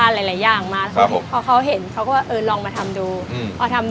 เพียงเกือบ๓๐ปีครับ